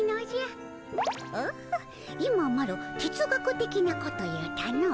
オッホ今マロ哲学的なこと言うたの。